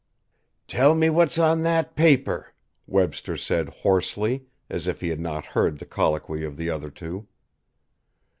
"Tell me what's on that paper," Webster said hoarsely, as if he had not heard the colloquy of the other two.